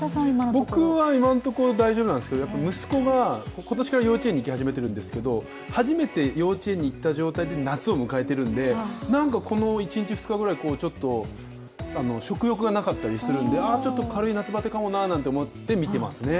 僕は今のところ大丈夫なんですけど息子が、今年から幼稚園に通ってるんですけど初めて幼稚園に行った状態で夏を迎えているのでなんかこの１日、２日ぐらい食欲がなかったりするんで軽い夏バテなのかなと思って見ていますね。